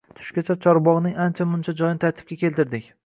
Tushgacha chorbogʻning ancha-muncha joyini tartibga keltirdik.